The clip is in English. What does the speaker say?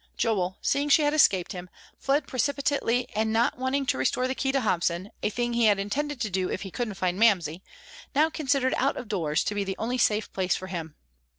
Joel, seeing she had escaped him, fled precipitately and, not waiting to restore the key to Hobson, a thing he had intended to do if he couldn't find Mamsie, now considered out of doors to be the only safe place for him.